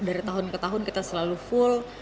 dari tahun ke tahun kita selalu full